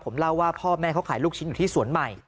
ผมเล่าว่าพ่อแม่เขาขายลูกชิ้นอยู่ที่สวนใหม่